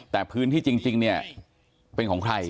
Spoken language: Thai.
แต่พื้นที่จริงเนี่ยเป็นของใคร